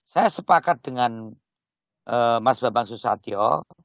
saya sepakat dengan mas bambang susatyo